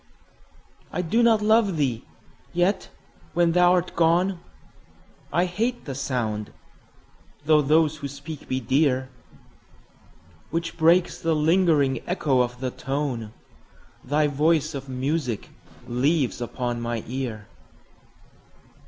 I do not love thee!—yet, when thou art gone, I hate the sound (though those who speak be dear) 10 Which breaks the lingering echo of the tone Thy voice of music leaves upon my ear.